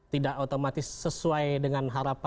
tidak otomatis sesuai dengan harapan